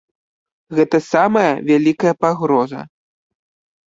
Гэта самая вялікая пагроза.